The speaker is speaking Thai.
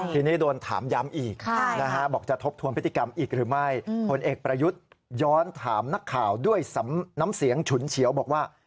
ทีนี้โดนถามย้ำอีกบอกจะทบทวนพฤติกรรมอีกหรือไม่ผลเอกประยุทธ์ย้อนถามนักข่าวด้วยน้ำเสียงฉุนเฉียวบอกว่า